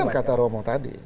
bukan kata romo tadi